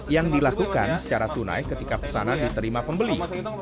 yang dilakukan secara tunai ketika pesanan diterima pembeli